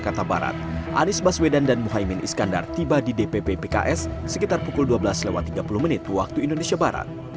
pertemuan ini dilaksanakan di pukul dua belas tiga puluh waktu indonesia barat